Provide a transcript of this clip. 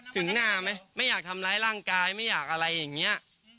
ถึงหน้าไหมไม่อยากทำร้ายร่างกายไม่อยากอะไรอย่างนี้